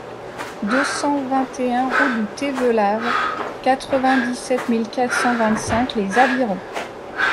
deux cent vingt et un route du Tévelave, quatre-vingt-dix-sept mille quatre cent vingt-cinq Les Avirons